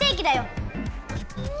うん。